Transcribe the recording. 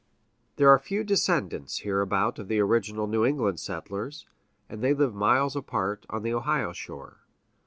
There are few descendants hereabout of the original New England settlers, and they live miles apart on the Ohio shore.